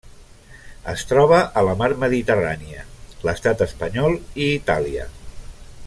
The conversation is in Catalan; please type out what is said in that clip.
Es troba a la Mar Mediterrània: l'Estat espanyol i Itàlia.